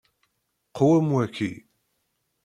Qwem waki.